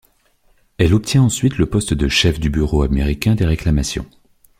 Elle obtient ensuite le poste de chef du Bureau américain des réclamations.